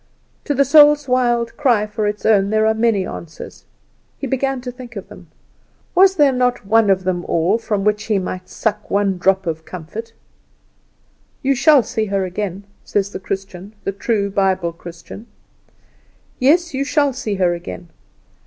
To the soul's wild cry for its own there are many answers. He began to think of them. Was not there one of them all from which he might suck one drop of comfort? "You shall see her again," says the Christian, the true Bible Christian. "Yes, you shall see her again.